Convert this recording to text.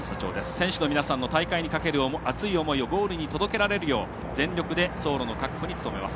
選手の皆さんの大会にかける熱い思いをゴールに届けられるよう、全力で走路の確保に努めます。